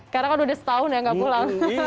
karena kan udah setahun ya nggak pulang